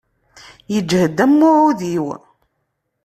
Yeǧhed am uɛewdiw.